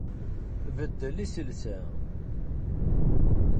Beddel iselsa!